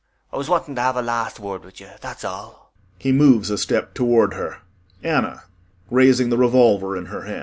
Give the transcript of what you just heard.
I was wanting to have a last word with you, that's all. [He moves a step toward her.] ANNA [Sharply raising the revolver in her hand.